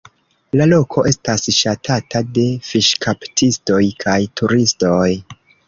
La loko estas ŝatata de fiŝkaptistoj kaj turistoj.